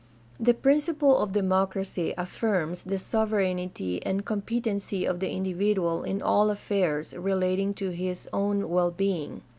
— The principle of democ racy affirms the sovereignty and competency of the individual in all affairs relating to his own well being.